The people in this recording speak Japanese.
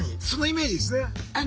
そのイメージですね。